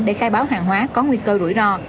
để khai báo hàng hóa có nguy cơ rủi ro